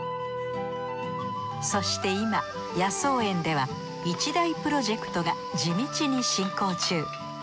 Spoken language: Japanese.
そして今野草園では一大プロジェクトが地道に進行中。